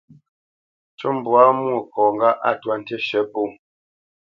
Ncú mbwǎ Mwôkɔ̌ ŋgâʼ a twá ntí shə̌ pó.